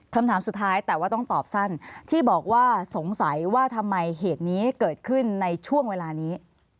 คำถามสุดท้ายแต่ว่าต้องตอบสั้นที่บอกว่าสงสัยว่าทำไมเหตุนี้เกิดขึ้นในช่วงเวลานี้